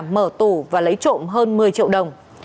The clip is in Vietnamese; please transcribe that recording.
mở tủ và lấy trộm hơn một mươi triệu đồng